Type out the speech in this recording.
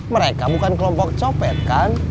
mereka bukan kelompok copet kan